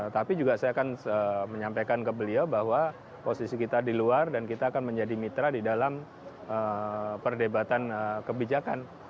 tapi juga saya akan menyampaikan ke beliau bahwa posisi kita di luar dan kita akan menjadi mitra di dalam perdebatan kebijakan